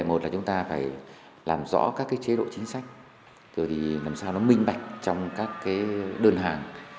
một là chúng ta phải làm rõ các chế độ chính sách làm sao nó minh bạch trong các đơn hàng